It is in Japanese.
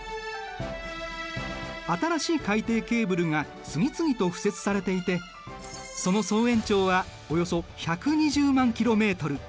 新しい海底ケーブルが次々と敷設されていてその総延長はおよそ１２０万キロメートル。